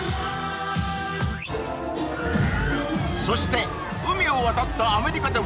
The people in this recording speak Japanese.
そして海を渡ったアメリカでも！